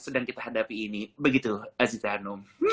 sedang kita hadapi ini begitu aziza hanum